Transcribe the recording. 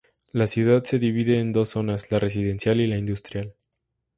La ciudad se divide en dos zonas: la residencial y la industrial.